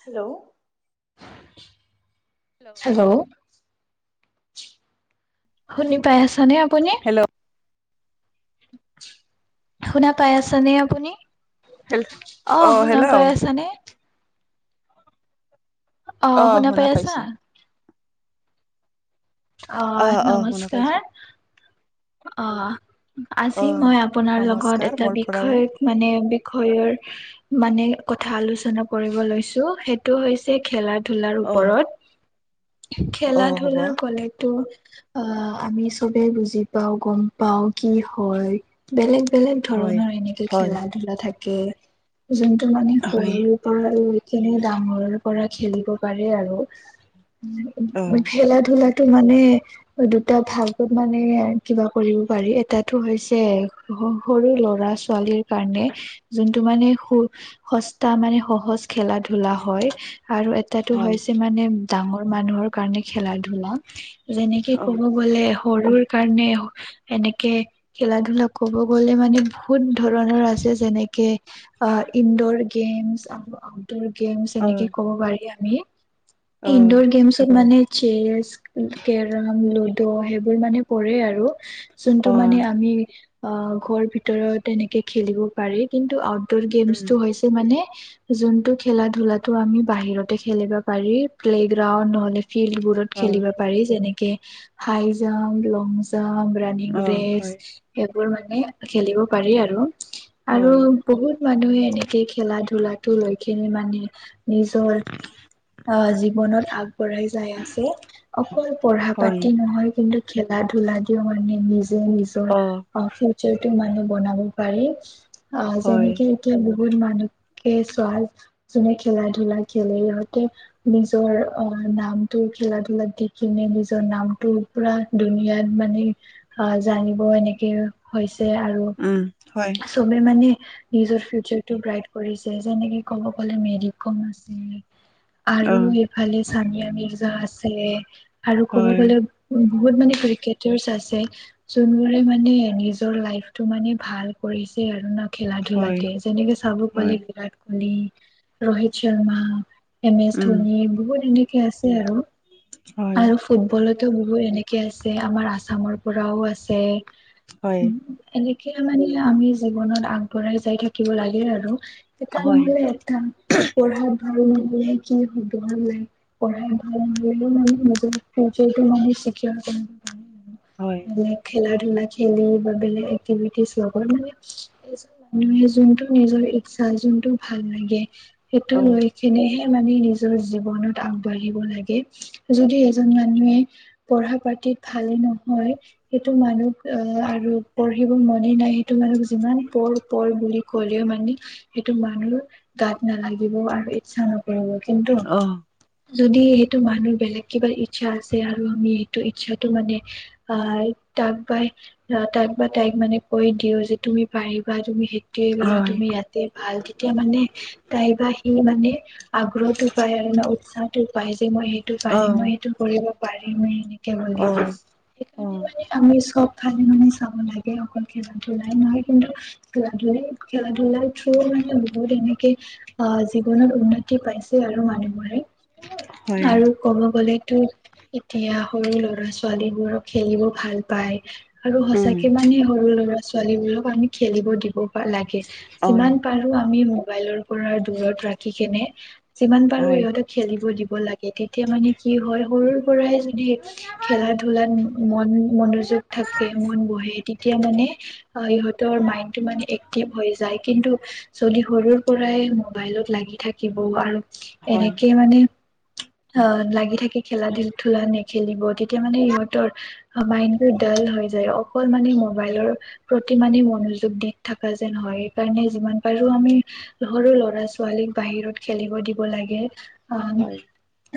Hello. Hello. শুনি পাই আছেনে আপুনি? শুনা পাই আছানে আপুনি? হেল্ল' অ' শুনা পাই আছানে? অ' শুনা পাই আছা? অ' নমস্কাৰ। অ'। অ আজি মই আপোনাৰ লগত নমস্কাৰ এটা মোৰ পৰাও বিষয় মানে বিষয়ৰ মানে ক কথা আলোচনা কৰিব লৈছোঁ সেইটো হৈছে খেলা ধুলাৰ অ ওপৰত। অ খেলা হ'ব ধূলা কলেতো আ, আমি চবেই বুজি পাও গ'ম পাও কি হয়, বেলেগ বেলেগ হয় ধৰণৰ এনেকে হয় খেলা ধুলা থাকে। কে যোনটো মানে হয় সৰুৰেপৰা লৈকেনে ডাঙৰ পৰা খেলিব পাৰে আৰু অ খেলা ধূলা টো মানে দুটা ভাগত মানে কিবা কৰিব পাৰি। এটাতো হৈছে সৰু ল'ৰা ছোৱালীৰ কাৰণে যোনটো মানে স-সস্তা মানে সহজ খেলা ধূলা হয় আৰু এটাতো হয় হৈছে মানে ডাঙৰ মানুহৰ কাৰণে খেলা ধূলা যেনেকে অ ক'ব গলে সৰুৰ কাৰণে এনেকে খেলা ধূলা ক'ব গ'লে মানে বহুত ধৰণৰ আছে যেনেকে অ' ইনডৰছ গেমছ আৰু আউটডোৰ গেমছ অ এনেকে ক'ব পাৰি আমি। অ ইনডৰছ গেমছত মানে চেচ, কেৰম, লুডো সেইবোৰ মানে পৰে আৰু। যোনটো অ মানে আমি অ' ঘৰ ভিতৰত এনেকে খেলিব পাৰি। কিন্তু আ [unintelligible] উম গেমছটো হৈছে মানে যোনটো খেলা ধোলাতো আমি বাহিৰতে খেলিবা পাৰি। প্লেগ্ৰাউড হ'লে ফিল্ডবোৰত অ খেলিব পাৰি যেনেকে high jump, long jump running অ ৰেচ হয় সেইবোৰ মানে খেলিব পাৰি আৰু। আৰু হয় বহুত মানুহে এনেকে খেলা ধুলাটো লৈ কেনে মানে নিজৰ অহ জীৱনত আগবঢ়াই যায় আছে। অকল পঢ়া হয় পাতি নহয় কিন্তু খেলা ধুলা দিও মানে নিজ যে নিজৰ অ আ ফিউচাৰটো মানে বনাব পাৰি। আহ হয় যেনেকে এতিয়া বহুত মানুহকে [unintelligible] যোনে খেলা ধূলা খেলে ইহঁতে নিজৰ অ' নামটো খেলা ধূলা দি কিনে নিজৰ নামটোৰ পুৰা ধুনিয়াত মানে অ', জানিব এনেকে হৈছে আৰু উম হয় চবে মানে নিজৰ ফিউচাৰটো ব্ৰাইট কৰিছে। যেনেকে ক'ব গ'লে মেৰীকম আছে। অ আৰু এইফালে চানিয়া মিৰ্জা আছে আৰু ক'ব হয় গ'লে উম বহুত মানে ক্ৰিকেটাৰছ আছে। যোনবোৰে মানে নিজৰ লাইটো মানে ভাল কৰিছে আৰু খেলা হয় ধূলাতে। যেনেকে চাব গ'লে হয় Virat Kohli, Rohit Sharma M S um Dhoni বহুত এনেকে আছে আৰু। হয় আৰু ফুটবলত বহুত এনেকে আছে আমাৰ আসামৰ পৰাও আছে। হয় এনে কে মানে আমি জীৱনত আগবঢ়াই যায় থাকিব লাগে আৰু। এটা হয় নহ'লে এটা পঢ়াত ভাল নহ'লে কি হ'ব হয়নে নাই! পঢ়াত ভাল নহ'লে মানে নিজৰ ফিউচা এইটো মই হে চিকিউৰ কৰিম হয় বেলেগ খেলা ধূলা খেলি বা বেলেগ এক্টিভিটিজ লগত লাগে। এজন মানুহে যোনটো নিজৰ ইচ্ছা যোনটো ভাল লাগে সেইটো অ লৈ কেনে হে মানে নিজৰ জীৱনত আগবাঢ়িব লাগে। যদি এজন মানুহে পঢ়া পাতি তিত ভালে নহয়। সেইটো মানুহ আহ আৰু পঢ়িব মনেই নাই সেইটো মানুহক যিমান পঢ় পঢ় বুলি ক'লেও মানে সেইটো মানুহ গাত নালাগিব আৰু ইচ্ছা নক নকৰিব। কিন্তু অ যদি সেইটো মানুহ বেলেগ কিবা ইচ্ছা আছে আৰু আমি সেইটো ইচ্ছাটো মানে আহ তাক বা তাক বা তাইক মানে কৰি দিওঁ যে তুমি পাৰিবা তুমি সেই ইয়াতে কৰা হয় তুমি ইয়াতে ভাল। তেতিয়া মানে তাই বা সি মানে আগ্ৰহটো পায় আৰু ন উৎসাহ পায়। মই সেইটো অ পাৰিম মই সেইটো কৰিব পাৰিমেই এনেকে বুলি। অ অ সেইকাৰণে মানে আমি চব ফালে মানে চাব লাগে অকল খেলা ধূলাই নহয়। কিন্তু [unintelligible] খেলা ধূলাটো মানে বহুত এনে কে অহ জীৱনত উন্নতি পাইছে আৰু মানুহবোৰে। হয় আৰু ক'ব গ'লে এতিয়া সৰু ল'ৰা ছোৱালীবোৰক খেলিব ভাল পায়। আৰু সঁচাকে মানে সৰু ল'ৰা ছোৱালীবোৰক আমি খেলিব দিব বা লাগে। যিমান পাৰো আমি মোবাইলৰ পৰা দূৰত ৰাখি কেনে যিমান পাৰো ইহঁতক খেলিব দিব লাগে। তেতিয়া মানে কি হয় সৰুৰ পৰাই যদি খেলা ধূলাত মন-মনো থাকে মন বহে। তেতিয়া মানে অ' ইহঁতৰ মাইণ্ডটো মানে এক্টিভ হৈ যায়। কিন্তু যদি সৰুৰ পৰাই মোবাইলত লাগি থাকিব আৰু এনেকে মানে অ', লাগি থাকি খেলা ধূলা নেখেলিব তেতিয়া মানে ইহঁতৰ মাইণ্ড ডাল হৈ যায়। অকল মানে মোবাইলৰ প্ৰতি মানে মনোযোগ দি থকা যেন হয়। সেইকাৰণে যিমান পাৰো আমি সৰু ল'ৰা ছোৱালীক বাহিৰত খেলিব দিব লাগে। [unintelligible]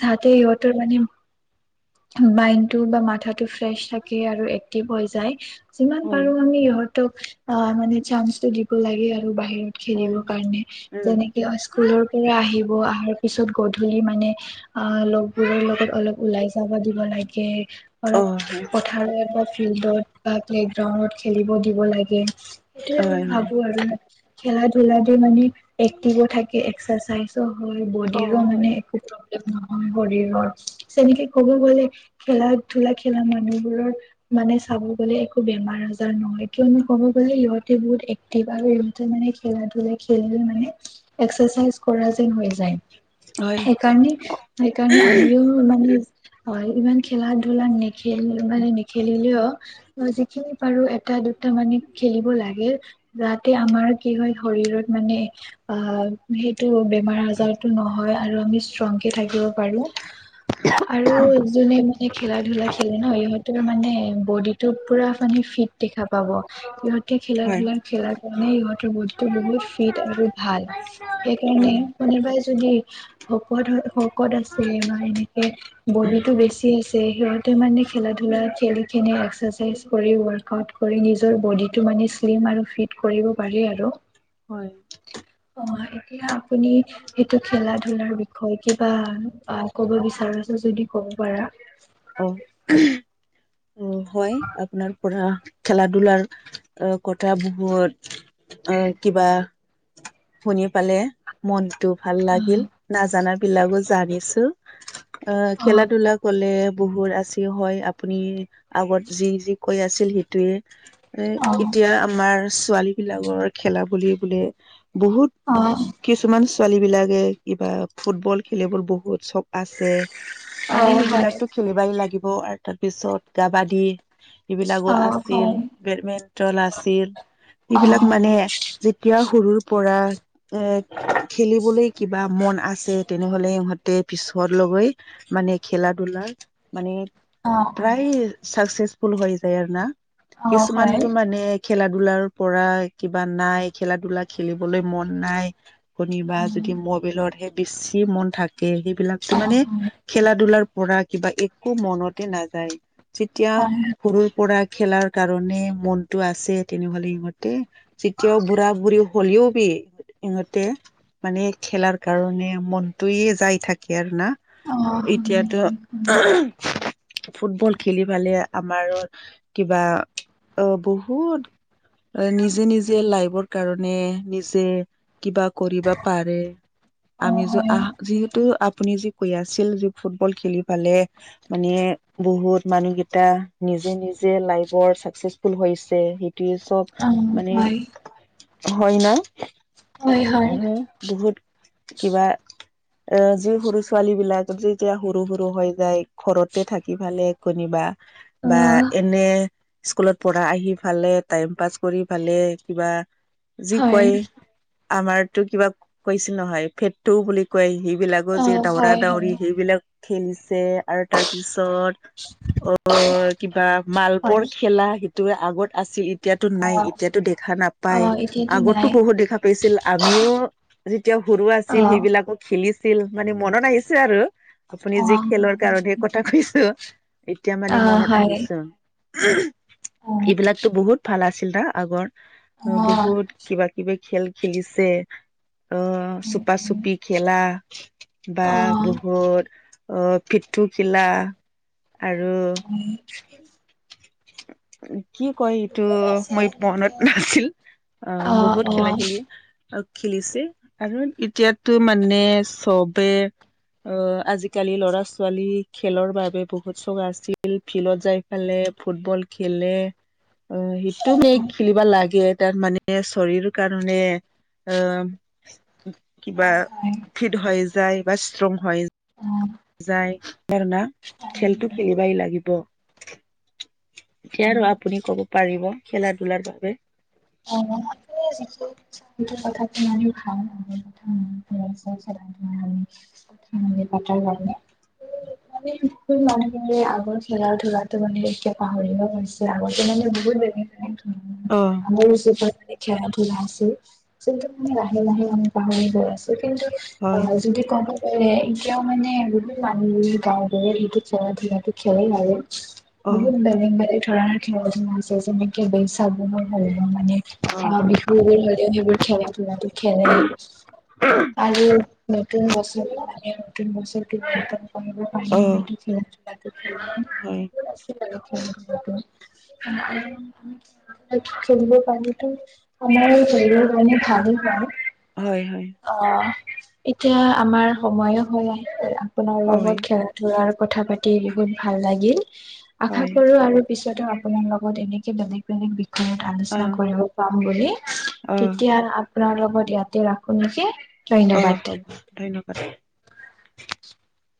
যাতে সিহঁতৰ মানে, মাইণ্ডটো বা মাথাটো ফ্ৰেছ [unintelligible] আৰু এক্টিভ হৈ যায়, যিমান পাৰো আমি ইহঁত [unintelligible] অ' মানে চান্সটো দিব লাগে বাহিৰত খেলিবৰ কাৰণে, তেনেকে স্কুলৰ পৰা আহি [unintelligible] অহাৰ পিছত গধূলি মানে অ' লগবোৰৰ লগত অলপ ওলাই চাব দিব লাগে অলপ ধাৰত বা ফিল্ডত বা প্লেগ্ৰাউণ্ডত খেলিব দিব লাগে। সেইটোয়ে মই ভাবো আৰু। খেলা ধূলা দি মানে এক্টিভ থাকে এক্সাৰচাইজো হয় বডিৰো মানে একো নহয় শৰীৰৰ তেনেকে ক'ব গ'লে খেলা ধূলা খেলা মানুহ বোৰৰ মানে চাব গ'লে একো বেমাৰ আজাৰ নহয় কিয়নো ক'ব গ'লে সিঁহত [unintelligible] এক্টিভ আৰু সিঁহতে মানে খেলা ধূলা খেলি মানে এক্সচাইজ কৰা [unintelligible] হৈ যায়। হয় সেইকাৰণে সেইকাৰণে আমিও মানে হয় ইমান খেলা ধূলা নেক মানে নিখেলিলে অ' যিখিনি পাৰো এটা দুটা মানে খেলিব লাগে যাতে আমাৰ কি হয় শৰ শৰীৰত মানে অ' সেইটো বে [unintelligible] আজাৰতো নহয় আৰু আমি ষ্ট্ৰংকে থাকিব পাৰো। আৰু জোনে মানে খেলা ধূলা খেলে সিঁহতৰ মানে বডিটো পুৰা মানে ফিট দেখা পাব, সিহ খেলা হয় ধূলাৰ খেলাৰ কাৰণে ইহঁতৰ বডিটো বহুত ফিট আৰু ভাল, সেইকাৰণে হয় [unintelligible] যদি শকত হয় শকত আছে বা এনেকে বডিটো বেছি [unintelligible] সিহঁতে মানে খেলা ধূলা খেলখিনে এক্সাৰচাইজ কৰি ৱৰ্কআউট কৰি নিজৰ বডিটো মানে শ্লিম আৰু ফিট কৰিব পাৰি আৰু। হয়। অ' এতিয়া আপুনি এইটো খেলা ধূলাৰ বিষয়ে কি [unintelligible] বা ক'ব বিচাৰিছোঁ যদি ক'ব পাৰা। অ', অ', হয় আপোনাৰ পৰা খেলা ধূলাৰ কথা বহুত অ' কিবা শুনি পালে মনটো ভাল অ', লাগিল, নাজানাৰ বিলাকো জানিছোঁ, অ' খেলা ধূলা ক'লে বহুৰ আছে হয় আপুনি আগত যি যি কৈ আছিল সেইটোয়ে। এ অ', এতিয়া আমাৰ ছোৱালীবিলাকৰ খেলা বুলি ক'লে বহুত হয়, কিছুমান ছোৱালীবিলাকে কিবা ফুটবল খেলিবলৈ বহুত চক আছে, মানে অ', হয়। সেইবিলাকতো খেলিবই লাগিব আৰু তাৰপিছত কাবাডী এইবিলাকো অ', অ', অ', আছিল বেডমিন্টন আছিল। সেইবিলাক হয়, মানে যেতিয়া সৰুৰ পৰা এ খেলিবলৈ কিবা মন আছে তেনেহ'লে ইহঁতে পিছলগৈ মানে খেলা ধূলাৰ মানে, অ', প্ৰায় চাকচেচ [unintelligible] হৈ যায় আৰু না, অ', হয়। হয়, কিছুমানটো মানে খেলা ধূলাৰ পৰা কিবা নাই খেলা ধূলা খেলিবলৈ মন নাই। শুনিবা যদি মোবিলতহে বেছি মন থাকে সেইবিলাকতো মানে খেলা ধূলাৰ পৰা কিবা একো মনতে নাযায়, যেতিয়া অ', সৰুৰ পৰা খেলাৰ কাৰণে মনটো আছে তেনেহ'লে ইহঁতে যেতিয়াও বুঢ়া বুঢ়ী [unintelligible] ইহঁতে মানে খেলাৰ কাৰণে মনটোয়ে যাই থাকে আৰু না। অ', হয়, এতিয়াতো ফুটবল খেলি পালে আমাৰো কিবা অ' বহুত, নিজে নিজে লাইভৰ কাৰণে নিজে কিবা কৰিবা পাৰে আমি য আহ যিহেতু আপুনি যে কৈ আছিল যে ফুটবল খেলি ফালে মানে বহুত মানুহগিটা নিজে নিজে লাইৰ চাকচেচফুল সেইটোৱে অ', চব মানে হয়। কই ন হয়, হয়, আৰু বহুত কিবা এ যি সৰু ছোৱালী বিলাক যেতিয়া সৰু সৰু হৈ যায় ঘৰতে থাকি ফালে কণিবা অ', বা এনে স্কুলত পঢ়া আহি ফালে টাইম পাছ কৰি ফালে কিবা যি কয় হয়, আমাৰতো কিবা কৈছে নহয় ফেটটো বুলি কয় সি বিলাকৰ যে অ', দৌৰা হয়, দাউৰি হয়, সেইবিলাক খেল যে আৰু তাৰপিছত অ', কিবা হয়, মালবৰ খেলা আগত আছিল এতিয়াতো নাই অ', এতিয়াতো দেখা নাপাই অ', এতিয়াতো আগতো নাই, বহুত দেখা পাইছিল আমি নিও যেতিয়া সৰু আছিল অ', সেইবিলাকো খেলিছিল মানে মনত আহিছে আৰু আপুনি যি অ', খেলৰ কাৰণহে কথা কৈছো এতিয়া মানে অ', মনত হয়, আহিছোন। অ', অ', হয়, এইবিলাকতো বহুত ভাল আছিল না আগৰ হয়, বহুত কিবা কিবি খেল খেলিছে অ', চুপা চুপি খেলা বা অ', বহুত আহ পিঠুকিলা আৰু হয়। কি কয় এইটো বহুত আছে মই মনত এনেকে, নাছিল অ', বহুত খেলা খেলি খেলিছে আৰু এতিয়াতো মানে চবে অ', আজিকালি ল'ৰা ছোৱালী খেলৰ বাবে বহুত চক আছিল ফিল্ডত যাই ফালে ফুটবল খেলে অ', সেইটো ম খেলিবা লাগে তাৰ মানে শৰীৰ কাৰণে আহ কিবা হয়, হয়। ফিট হৈ যায় বা ষ্ট্ৰং হৈ যায়। যায় কাৰণা খেলতো খেলিবাই লাগিব। এতিয়া আৰু কথাটো আপুনি কব পাৰিব খেলা ধূলাৰ বাবে [unintelligible] কথা খ খাম চ [unintelligible] পাতা প [unintelligible] মানে শ মানুহেৰে আগৰ খেলা ধূলাতো মানে এতিয়া পাহৰিব গৈছে আগতে মানে ল [unintelligible] অহ। আমাৰ যিটোৰ মানে খেলা ধূলা আছে সিটোৰ মানে লাহে লাহে মানে পাহৰি গৈ আছে। কিন্তু হয় অ', যদি কব। এ এতিয়াও মানে গোওত মানুহ গাঁৱৰে সেইটো খেলা ধূলটো খেলেই আৰু। বহুত অ বেলেগ ধৰনে [unintelligible] মানে অ', বিহুবোৰ হ'লেও সেইবোৰ খেলা ধূলা খেলে আৰু নতুন বস্ত নতুন বছৰ অ [unintelligible] [inaudible] হয় চলব পানীটো আমাৰ হল পান ভালে পান। হয়, হয়। এতিয়া আমাৰ সময়ো হয় আহ আপোনাৰ লগত হয় খেলা ধূলাৰ কথা পাতি বহুত ভাল লাগিল আশা হয় কৰো আৰু পিছতো আপোনাৰ লগত এনেকে বেলেগ বেলেগ বিষয়ত অ আলোচনা কৰিব পাম বুলি অ তেতিয়া আপোনাৰ লগত ইয়াতে ৰাখো নেকি। অ', ধন্যবাদ। হ'ব ধন্যবাদ। [inaudible]